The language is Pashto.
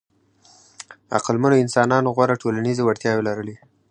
عقلمنو انسانانو غوره ټولنیزې وړتیاوې لرلې.